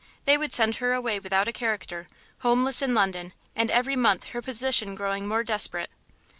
they would send her away without a character, homeless in London, and every month her position growing more desperate....